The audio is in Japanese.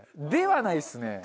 ではないですね。